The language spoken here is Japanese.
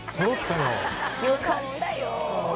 よかったよ！